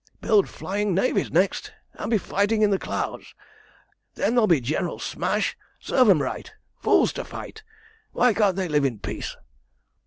Build flying navies next, and be fighting in the clouds. Then there'll be general smash. Serve 'em right. Fools to fight. Why can't they live in peace?"